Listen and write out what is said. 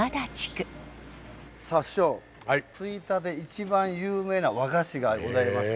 さあ師匠吹田で一番有名な和菓子がございまして。